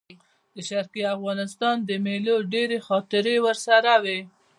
د شرقي افغانستان د مېلو ډېرې خاطرې ورسره وې.